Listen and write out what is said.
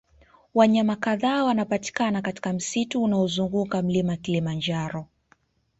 Wanyama kadhaa wanapatikana katika msitu unaozunguka mlima kilimanjaro